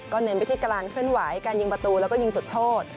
ก็เน้นวิธีกรรมขึ้นไหวการยิงประตูแล้วก็ยิงจุดโทษ